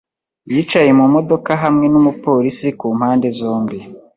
yicaye mu modoka hamwe n'umupolisi ku mpande zombi.